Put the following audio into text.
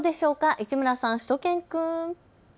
市村さん、しゅと犬くん。